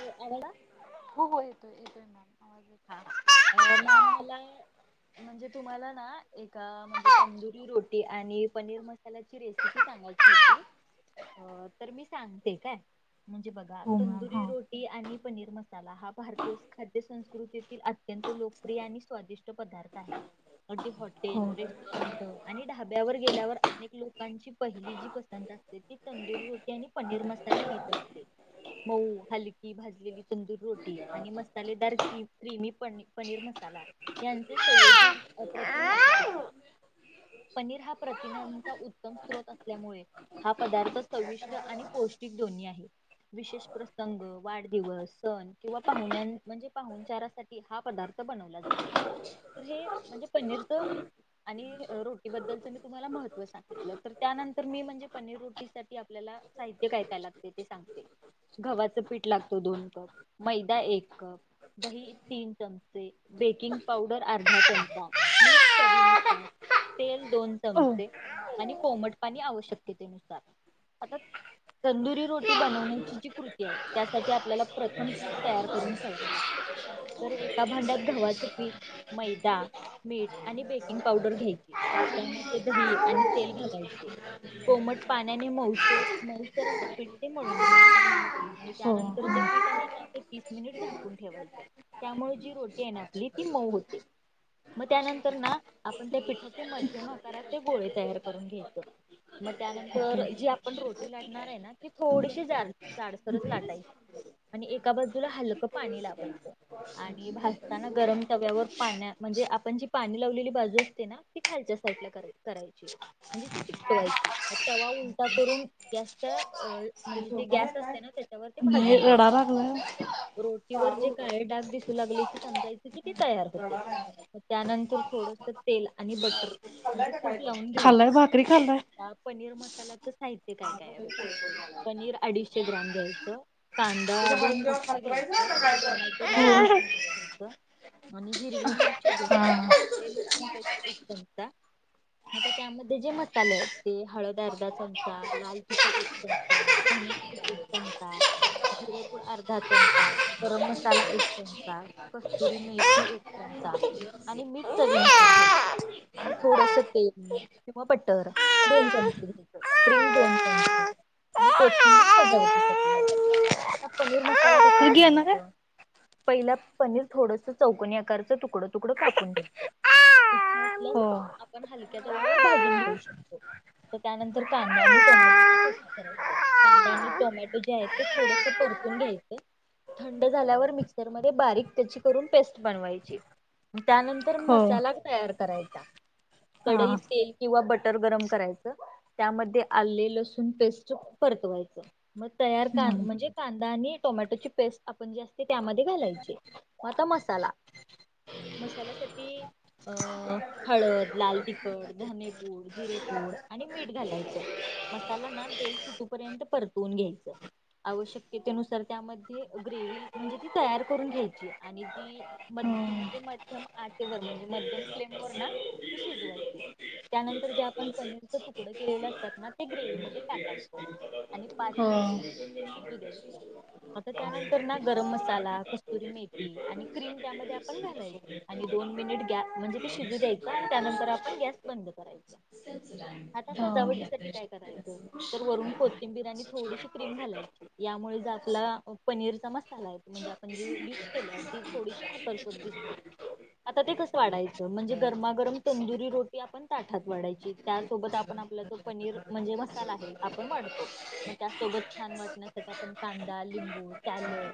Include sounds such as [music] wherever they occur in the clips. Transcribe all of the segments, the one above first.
आवडला हो हो येतोय येतोय. मॅम आवाज येतोय. हां हां अं म मला म्हणजे तुम्हाला ना एक. अं म्हणजे तंदुरी रोटी आणि पनीर मसाल्याची रेसिपी सांगायची होती. अं तर मी सांगते काय? म्हणजे बघा, हो मॅम हा तंदुरी रोटी आणि पनीर मसाला हा भारतीय खाद्यसंस्कृती अत्यंत लोकप्रिय आणि स्वादिष्ट पदार्थ आहे. अगदी हो हॉटेल रेस्टॉरंट आणि ढाब्यावर गेल्यावर अनेक लोक लोकांची पहिली जी पसंत असते ती तंदुरी रोटी आणि पनीर मसाला हीच असते. मऊ हलकी भाजलेली तंदूर रोटी आणि मसालेदार नेहमी पनी पनीर मसाला यांचे संयोजन अप्रतिम लागते. [unintelligible] पनीर हा प्रथिनांचा उत्तम स्त्रोत असल्यामुळे, हा पदार्थ चविष्ट आणि पौष्टिक दोन्ही हे आहे, विशेष प्रसंग, वाढदिवस, सण किंवा पाहुण्यांचा म्हणजे पाहुणचारासाठी हा पदार्थ बनवला जातो तर हे म्हणजे पनीरच आणि रोटीबद्दलच मी तुम्हाला महत्व सांगितलं. तर त्यानंतर मी म्हणजे पनीर रोटीसाठी आपल्याला. साहित्य काय काय लागते ते सांगते. गव्हाचं पीठ लागत दोन कप, मैदा एक कप. दही तीन चमचे, बेकिंग पावडर अर्धा चमचा, मीठ चवीनुसार. तेल दोन हो चमचे आणि कोमट पाणी आवश्यकततेनुसार आता. तंदुरी रोटी बनवण्याची जी कृती आहे, त्यासाठी आपल्याला प्रथम पीठ तयार करून ठेवावं लागत. [inaudible] तर एका भांड्यात गव्हाचं पीठ मैदा मीठ आणि बेकिंग पावडर घ्यायचे. त्यामध्ये दही आणि तेल घालायचे. कोमट पाण्याने मौस मौसराच पीठ ते मळून घ्यायचं. आणि हो त्यानंतर जे ओके. पीठ आहे, ना ते तीस मिनिट झाकून ठेवायचें. त्यामुळे जी रोटी आहे, ना आपली ती मऊ होते. मग त्यानंतर ना आपण त्या पिठाचे मध्यम आकाराचे गोळे तयार करून घ्यायच. मग त्यानंतर जी आपण रोटी लाटणार आहे, ना ती थोडीशी जाड जाडसरच लाटाईची. आणि एका बाजूला हलकं पाणी लावायचं. आणि भासताना गरम तव्यावर पाण्या म्हणजे आपण जी पाणी लावलेली बाजू असते ना ती खालच्यासाठी. आप [unintelligible] करायची. म्हणजे ती चिकटवायची तवा उलटा करून गॅसच म्हणजे जे गॅस असते ना त्या नाही रडा लागलाय. रोटीवर जे काळे काडाग दि लागले की समजायच की ते तयार होते त्यानंतर थोडस तेल आणि बटर. खाल्लाय म्हणजे का काय तूप लावून खाल्लाय घ्यायचं भाकरी खाल्लाय. पनीर मसाल्याचं साहित्य काय काय आहे बघा पनीर अडीचशे ग्रॅम घ्यायचं कांदा दोन मोठ घ्यायचं टोमॅटो त म घ्यायचं आणि हिरवी मिरची दोन हा. लसूण पेस्ट एक चमचा आता त्यामध्ये जे मसाले आहेत ते हळद अर्धा चमचा, लाल तिखट एक चमचा पनीरपू एक चमचा, जिरेपूड अर्धा चमचा गरम मसाला एक चमचा, कस्तुरी मेथी एक चमचा आणि मीठ चवीनुसार घ्यायचं आणि थोडस तेल किंवा बटर दोन चमचे घ्यायच क्रीम दोन चमचे आणि कोथिंबीर सजावटी साठी आहे आता पनीर मसाला कस तू घेणार आहे? बनवायचं? पहिला पनीर थोडस चौकनी आकारचं तुकडं तुकडं कापून घेतयच हो. इच्छा असल्यास हो आपण हलक्या तव्यावर भाजून घेऊ शकतो तर त्यानंतर कांदा आणि टोमॅटोची पेस्ट करायचे कांदा आणि टोमॅटो जे आहे ते थोडस पर घ्याय थंड झाल्यावर मिक्सर मध्ये बारीक त्याची करून पेस्ट बनवायची त्यानंतर मसाला तयार करायचा आ कडई तेल किंवा बटर गरम करायचं त्यामध्ये आले लसूण पेस्ट परतू मग हो तर म्हणजे कांदा आणि टोमॅटोची पेस् आपण जे असत त्यामध्ये घालायचे मग आता मसाला मसाल्यासाठी अ हळद, लाल तिखट, धनेपूड जिरेपू गोड आणि मीठ घालायचं मसाला ना तेल सुटूपर्यंत परतवून घ्यायचं आवश्यकतेनुसार त्यामध्ये ग्रेवी म्हणजे ती तयार करून घ्यायची आणि ती मध्य म्हणजे मध्यम आचेवर म्हणजे मध्यम फ्लेम वर ना ती शिजवायची त्यानंतर जे आपण पनीरच तुकडं केलेलं असतात ना ते ग्रेवी मध्ये टाकायचं आणि पाच जना तर त्यानंतर ना गरम मसाला, कस्तुरी मेथी आणि क्रीम त्यामध्ये आपण घालायची आणि दोन मिन म्हणजे ते शिजू द्यायचं आणि त्यानंतर आपण गॅस बंद करायच आता सजावटी साठी काय करायचं तर वरून कोथिंबीरनी थोडीशी क्रीम घालायची. या त्यामुळे ज आपला पनीरचा मसाला आहे म्हणजे आपण जी डिश केली आहे ती थोडीशी आकर्षक दिसते आता ते कसं वाढायचं म्हणजे गरमागरम तंदुरी रोटी आपण ताठात वाढायची त्यासोबत आपण आपल्याच पनीर म्हणजे मसाला आहे आपण वाढतो त्यासोबत छान वाढण्यासाठी कांदा लिंबू हो सॅलेड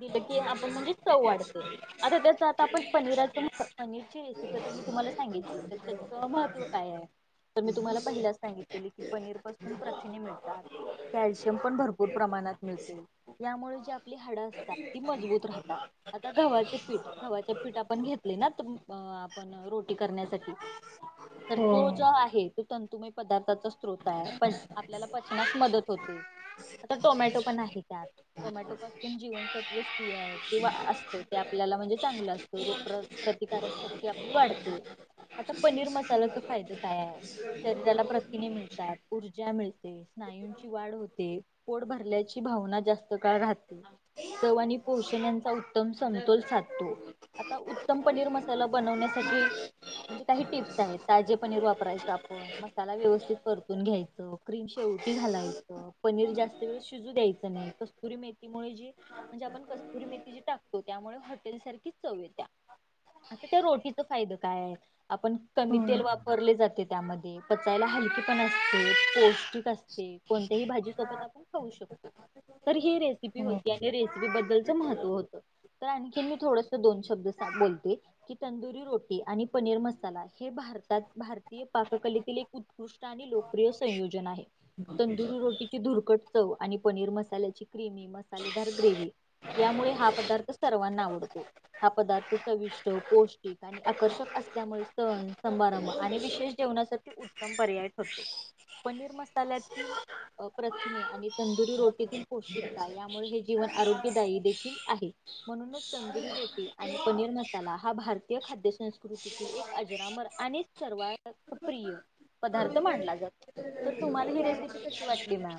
दिलं की आपण म्हणजे चव वाढते आता त्याच आता आपण पनीराच पनीरची रेसिपी तर तुम्हाला सांगायची तर त्याच महत्त्व काय आहे. तर मी तुम्हाला पहिलाच सांगितलेले की पनीरपसून प्रथिने मिळतात. कॅल्शियम पण भरपूर प्रमाणात मिळते. यामुळे जी आपली हाडं असतात ती मजबूत राहतात आता गव्हाचे पीठ गव्हाचे पीठ आपण घेतले. ना आपण रोटी करण्यासाठी तर हो हो तो जो आहे तो तंतुमय पदार्थाचा स्रोत आहे पण आपल्याला पचनास मदत होते. आता टोमॅटो पण आहे त्यात टोमॅटो पासून जीवन सत्व आहे ते असत ते आपल्याला म्हणजे चांगलं असतं. प्रतिकारक शक्ती आपली वाढते आता पनीर मसालाचा फायदा काय आहे. शरीराला प्रथिने मिळतात ऊर्जा मिळते स्नायूंची वाढ होते पोट भरल्याची भावना जास्त काळ राहते चव आणि पोषण्याचा उत्तम समतोल साधतो. आता उत्तम पनीर मसाला बनवण्यासाठी म्हणजे काही टिप्स आहेत ताजे पनीर वापरायचं आपण मसाला व्यवस्थित परतून घ्यायच क्रीम शेव रोटी घालायचं पनीर जास्त वेळ शिजू द्यायचं नाही. कस्तुरी मेथीमुळे जी म्हणजे आपण कस्तुरी मेथी जी टाकतो त्यामुळे हॉटेल सारखी चव येत्या. आता त्या रोटीचा फायद काय आहे आपण कमी तेल हो वापरले जाते. त्यामध्ये पचायला हलकी पण असते पौष्टिक असते कोणत्याही भाजी सोबत आपण खाऊ शकतो. तर ही रेसिपी हो. होती. रोटी बद्दलच महत्व होत आणखी मी थोड दोन शब्द बोलते की तंदुरी रोटी आणि पनीर मसाला हे भारतात भारतीय पाककलेतील एक उत्कृष्ट आणि लोकप्रिय संयोजन आहे. तंदुरी रोटीची धुरकट चव आणि पनीर मसाल्याची क्रिमी मसालेदार ग्रेव्ही यामुळे हा पदार्थ सर्वांना आवडतो हा पदार्थ चविष्ट पौष्टिक आणि आकर्षक असल्यामुळे सण सभारंभ आणि विशेष जेवणासाठी उत्तम पर्याय ठरतो. पनीर मसाल्यातील प्रथिने आणि तंदुरी रोटीतील पौष्टिक यामुळे हे जीवन आरोग्यदायी देखील आहे म्हणूनच तंदुरी रोटी आणि पनीर मसाला हा भारतीय खाद्य संस्कृतीतील एक अजरामर आणि सर्वात प्रिय पदार्थ मनाला जातो तर तुम्हाला ही रेसिपी कशी वाटली मॅम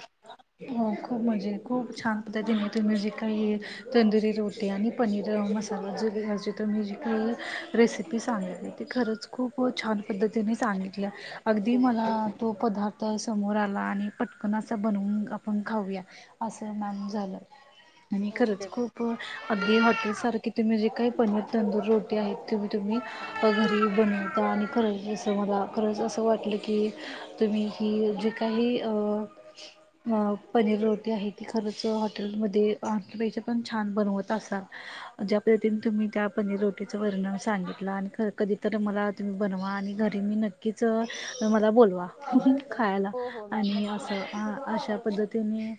हो खूप मजे खूप छान पद्धतीने तुम्ही जे काही तंदुरी रोटी आणि पनीर मसाला [unintelligible] पद्धतीने सांगितल्या अगदी हो. मला तो पदार्थ समोर आला आणि पटकन असं बनवून आपण खाऊया असं मन झालं. आणि खरंच ओके मॅम. खूप अगदी हॉटेल सारखे तुम्ही जे काय पनीर तंदूर रोटी आहेत तुम्ही तुम्ही घरी बनवता आणि खरंच जसं मला खरंच असं वाटलं की, तुम्ही हि जे काही अ अ पनीर रोटी आहे ती खरंच हॉटेलमध्ये पण छान बनवत असाल ज्या तुम्ही त्या पनीर रोटीचं वर्णन सांगितलं आणि कधी तर मला तुम्ही बनवा आणि घरी मी नक्की नक्कीच मला बोलवा. खायला हो हो मॅम आणि नक्की असं नक्की. अशा पद्धतीने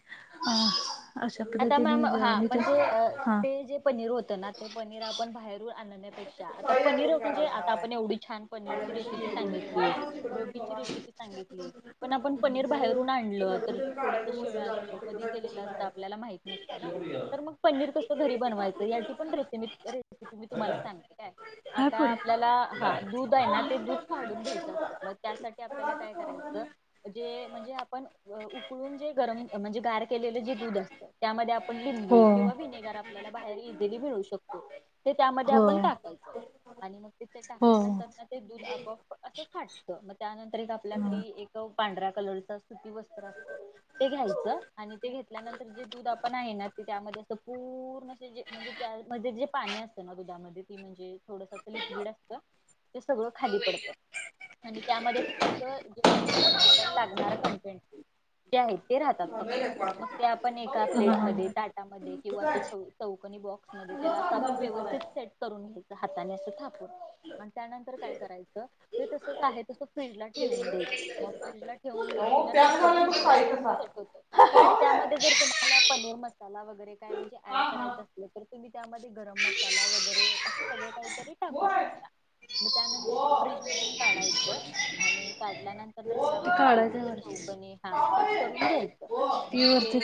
अ आता मॅम हा म्हणजे हां ते जे पनीर होतं ना ते पनीर आपण बाहेरून आणण्या अच्छा आता पनीर म्हणजे आता आपण एवढी छान पनीरची रेसिपी सांगितली रोटीची रेसिपी सांगितली पण आपण पनीर बाहेरून आणलं तर थोडस शिळ असतो कधी केलेलं असत आपल्याला माहित नसत ना तर मग पनीर कसं घरी बनवायचं याची पण रेसि रेसिपी मी तुम्हाला सांगेल. [unintelligible] हाय आता पुढं आपल्याला हा दूध आहे ना ते दूध फाडून घ्यायचे असतं मग त्यासाठी आपल्याला काय करायचं जे म्हणजे आपण उकळून जे गरम म्हणजे गार केलेलं जे दूध असत. त्यामध्ये आपण लिंबू हो किंवा विनेगर आपल्याला बाहेर इजिली मिळू शकतो तर त्यामध्ये हो पण टाकायच आणि मग ते टाकल्यानंतर ते दूध आपोआप असं फाटत मग त्यानंतर आपल्या घरी हो एक पांढऱ्या कलरच सुती वस्त्र असत ते घ्यायचं आणि ते घेतल्यानंतर जे दूध आपण आहे ना ते त्यामध्ये अस पूर्ण अस जे म्हणजे त्यामध्ये जे पाणी असतं ना दुधामध्ये म्हणजे थोडस असं लिक्विड असत ते सगळं खाली पडतं म्हणजे त्यामध्ये फक्त अस जे पनीर साठी आपल्याला लागणार कंटेंट जे आहेत ते राहतात फक्त मग ते आपण एका प्लेट मध्ये, हा. टाटा मध्ये ते किंवा चौकनी बॉक्स मध्ये त्याला अस आपण व्यवस्थित सेट करु हातानं असं थापून त्यानंतर काय करायचं ते तसच आहे तस फ्रीज ला ठेवून द्यायचं, मग फ्रीजला ठेवून घेतलं ना आपण छान पैकी सेट होतं आणि त्यामध्ये जर तुम्हाला निर मसाला वगैरे काय म्हणजे ऍड करायं असलं तर तुम्ही त्या गरम मसाला वगैरे अस सगळ कातरी टाकू शकता मग त्यानंतर ते फ्रिज मधून काढायचं आणि काढल्यानंतर त्याला आपण काढायचं चौकनी, वरती. चौकनी हा कट करून घ्यायच मग ती ते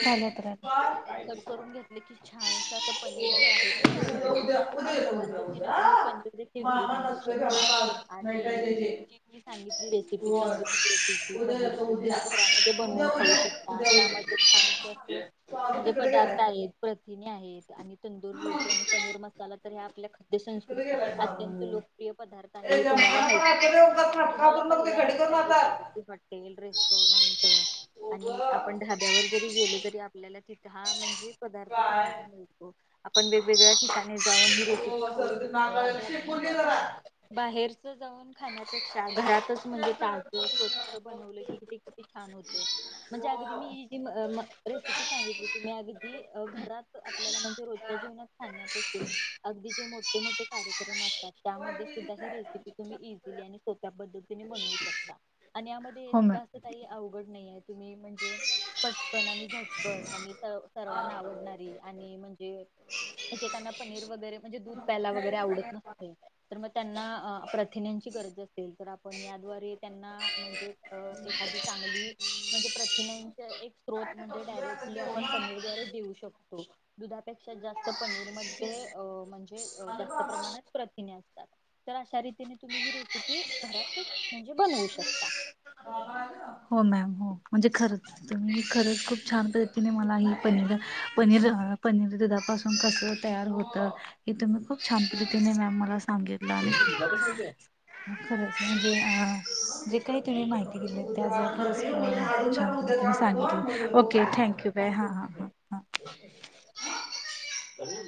कट करून घेतले की [inaudible] छानस असं पनीर जे आहे ते तयार होत, उद्या उद्या अशा येतो उद्या पद्धतीने उद्या तुम्ही पनीर देखील घरी मामा बनवू नसतोय शकता घरात आज नाही काय आणि त्याचे मी सांगितली रेसिपी होय तंदुरी रोटीची उद्या येतो पनीरची उद्या ती घरामध्ये बनवून उद्या खाऊ उद्या शकता, उद्या त्यामध्ये उद्या छान असे सारू म्हणजे तिकडे गेलाय पदार्थ आहेत प्रथिने आहेत आणि तंदूरी रोटी आणि पनीर मसाला तर ह्या आपल्या तिकडे संस्कृतीतील गेलाय अत्यंत सारू लोकप्रिय पदार्थ आहे ए हे तुम्हाला जमताना पण माहितीये का? आचार्य उगाच नाटकं तुम्हाला हातरू नको ते पहिल्यांदा घडी करून सांगितलेलं हातात की हॉटेल, रेस्टोरंट, ओ ग आणि आपण ढाब्यावर जरी गेलो तरी आपल्या तिथ म्हणे पदार्थ काय पाहायला मिळतो, आपण वेगवेगळ्या ठिकाणी जाऊन ही रेसिपी ओ खाऊ सर्दी शकतो, नाक आता शिकून म्हणजे घे आपण जरा बाहेरच जाऊन खाण्यापेक्षा घरातच म्हणजे ताजं, स्वच्छ बनवलं की ते किती छान होतं. म्हणजे ओ अगदी मी ही जी रेसिपी सांगितली तुम्ही अगदी घरात आपल्याला म्हणजे रोजच्या जीवनात खण्यापासून अगदी जे मोठे-मोठे कार्यक्रम असतात होय त्यामध्ये सुद्धा केलीच ही आहे. रेसिपी तुम्ही एझिली आणि सोप्या पद्धतीने तुम्ही बनवू शकता आणि या मध्ये हो मॅम इतकं असं काही अवघड नाहीये. तुम्ही म्हणजे पटकन आणि झट बर आणि स सर्वांना आवडणारी अ आणि म्हणजे एकेकना पनीर वगैरे म्हणजे दूध प्यायला वगैरे आवडत नसते, तर मग त्यांना प्रथिन्याचे गरज असेल तर आपण याद्वारे त्यां म्हणजे एखादी चगली म्हणजे एक स्रोत म्हणजे डायरेक्टली आपण पनीर द्वारे देऊ शकतो. दुधा पेक्षा जास्त पनीर मध्ये म्हणजे जास्त प्रमाणात प्रथिने असतात. तर अशा रीतीने तुम्ही ही रेसिपी घरात म्हणजे बनवू शकता. हो. हो मॅम! हो, म्हणजे खरच तुम्ही खरच खूप छान पद्धतीने मला ही पनीर पनीर पनीर दुधापासून कस तयार होतं, हे तुम्ही खूप छान पद्धतीने मॅम मला सांगि [unintelligible] हा, खरंच म्हणजे अ जे काही त्याने माहिती दिली त्यात खरच म ओके मॅम सांगितलं. Okay, thank you! बाय! हा थँक्यू मॅम. हा ह ह. [unintelligible]